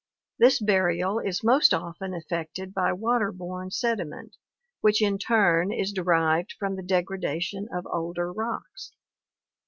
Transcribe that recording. This burial is most often effected by water borne sediment, which in turn is derived from the degradation of older rocks.